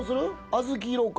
「あずき色か？